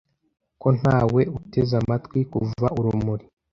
Ko ntawe uteze amatwi, kuva urumuri